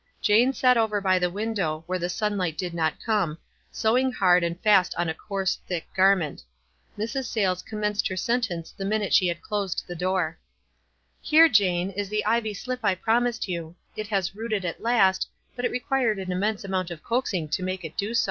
Jane sat over by the win dow, where the sunlight did not come, sewing hard and fast on a coarse, thick garment. Mrs. Sayles cammenced her senteuce the minute she had closed the door. "Plere, Jane, is the ivy slip I promised you ; it has rooted at last, but it required an immense amount of coaxing to make it do so."